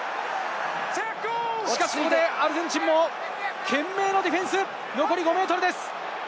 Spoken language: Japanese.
しかし、ここでアルゼンチンも懸命のディフェンス、残り５ｍです！